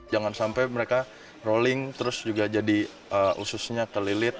jangan sampai mereka rolling terus juga jadi ususnya kelilit